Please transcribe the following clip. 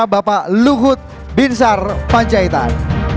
bapak luhut binsar pancahitan